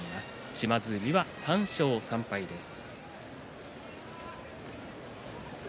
島津海、３勝３敗です。